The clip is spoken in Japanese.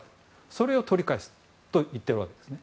それを取り返すと言っているわけですね。